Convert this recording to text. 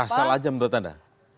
asal aja menurut anda